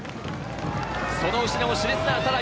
その後ろも熾烈な争い。